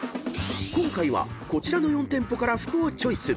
［今回はこちらの４店舗から服をチョイス］